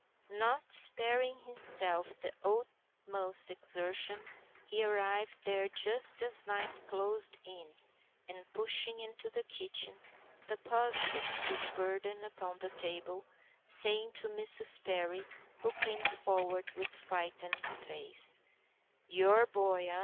Not sparing himself the utmost exertion, he arrived there just as night closed in, and, pushing into the kitchen, deposited his burden upon the table, saying to Mrs. Perry, who came forward with frightened face,— "Your boy, eh?